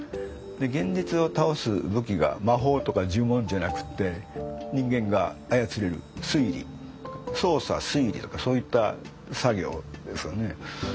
現実を倒す武器が魔法とか呪文じゃなくて人間が操れる推理「捜査」「推理」とかそういった作業ですよね。